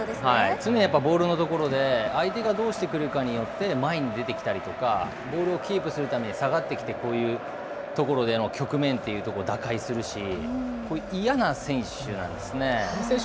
常にボールのところで相手がどうしてくるかによって、前に出てきたりとか、ボールをキープするために下がってきて、こういうところでの局面というところを打開するし、嫌な選手なんですね。